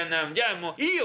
もういいよ。